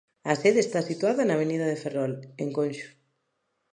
A sede está situada na avenida de Ferrol, en Conxo.